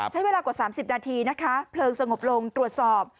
ใช้เวลากว่า๓๐นาทีนะคะเพลิงสงบลงตรวจสอบ